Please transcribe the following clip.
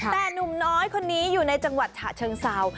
แต่หนุ่มน้อยคนนี้อยู่ในจังหวัดฉะเชิงเซา